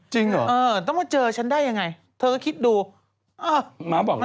จริงเหรอเออต้องมาเจอฉันได้อย่างไรเธอก็คิดดู